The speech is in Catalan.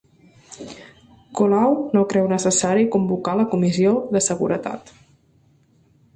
Colau no creu necessari convocar la Comissió de Seguretat